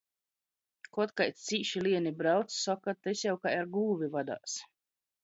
Kod kaids cīši lieni brauc, soka: "Tys jau kai ar gūvi vadās."